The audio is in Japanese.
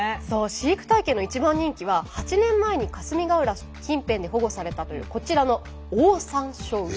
飼育体験の一番人気は８年前に霞ヶ浦近辺で保護されたというこちらのオオサンショウウオ。